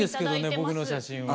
僕の写真は。